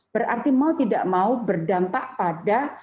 berarti mau tidak mau berdampak pada